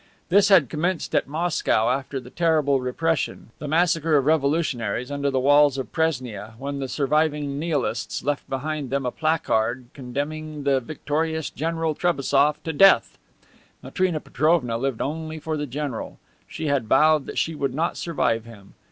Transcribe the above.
This had commenced at Moscow after the terrible repression, the massacre of revolutionaries under the walls of Presnia, when the surviving Nihilists left behind them a placard condemning the victorious General Trebassof to death. Matrena Petrovna lived only for the general. She had vowed that she would not survive him.